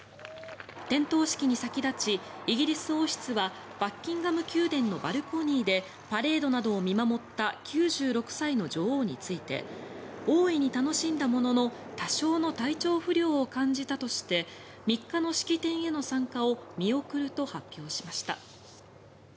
点灯式に先立ち、イギリス王室はバッキンガム宮殿のバルコニーでパレードなどを見守った９６歳の女王について大いに楽しんだものの多少の体調不良を感じたとして３日の式典への参加を見送ると発表しました。